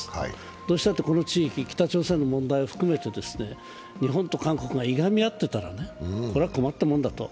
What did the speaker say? どうしたってこの地域、北朝鮮の問題をふくめて日本と韓国がいがみ合っていたらこれは困ったもんだと。